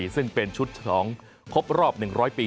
ซึ่งเป็นชุดฉลองครบรอบ๑๐๐ปี